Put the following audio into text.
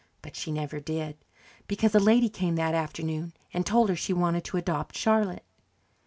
But she never did, because a lady came that afternoon and told her she wanted to adopt Charlotte.